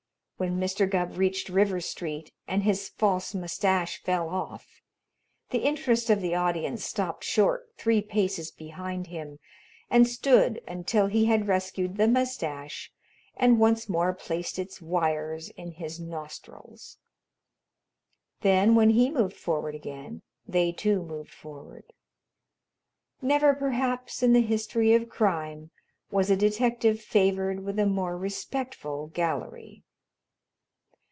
When Mr. Gubb reached River Street and his false mustache fell off, the interest of the audience stopped short three paces behind him and stood until he had rescued the mustache and once more placed its wires in his nostrils. Then, when he moved forward again, they too moved forward. Never, perhaps, in the history of crime was a detective favored with a more respectful gallery.